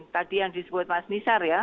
tadi yang disebut mas nisar ya